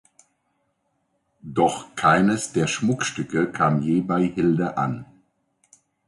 Doch keines der Schmuckstücke kam je bei Hilde an.